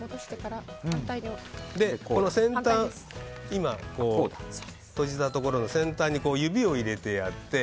今閉じたところの先端に指を入れてやって。